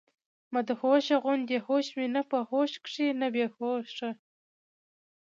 مدهوشه غوندي هوش مي نۀ پۀ هوش کښې نۀ بي هوشه